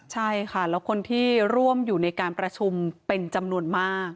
ใช่ค่ะแล้วคนที่ร่วมอยู่ในการประชุมเป็นจำนวนมาก